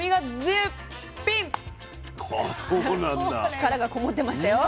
力がこもってましたよ。